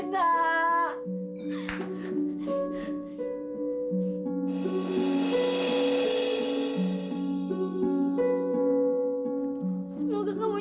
percaya dari orang yang sudah rambut